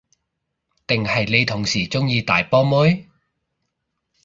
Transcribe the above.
定係你同事鍾意大波妹？